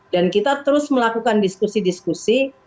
dan kita terus melakukan diskusi diskusi